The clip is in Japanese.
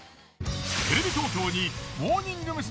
テレビ東京にモーニング娘。